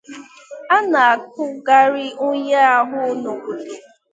a na-akpụgharị onye ahụ n'obodo